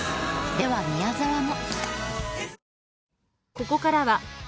では宮沢も。